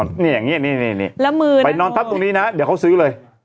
เนี่ยอย่างเงี้ยไปนอนทับตรงนี้นะเดี๋ยวเขาซื้อเลย